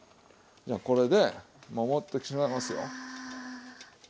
じゃあこれでもう盛ってしまいますよ。